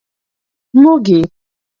موږي.